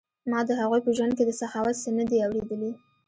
ما د هغوی په ژوند کې د سخاوت څه نه دي اوریدلي.